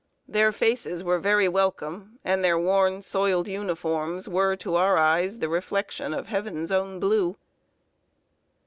Their faces were very welcome, and their worn, soiled uniforms were to our eyes the reflection of heaven's own blue.